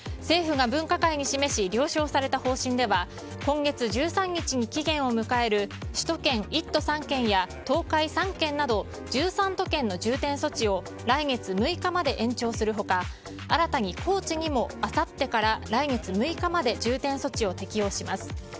政府が分科会に示し了承された方針では今月１３日に期限を迎える首都圏１都３県や東海３県など１３都県の重点措置を来月６日まで延長する他、新たに高知にもあさってから来月６日まで重点措置を適用します。